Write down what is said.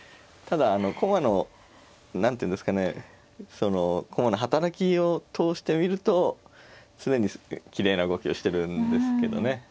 ただ駒の何ていうんですかね駒の働きを通して見ると常にきれいな動きをしてるんですけどね。